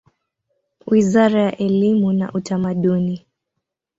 Wizara ya elimu na Utamaduni.